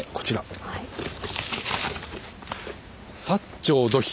「長土肥！！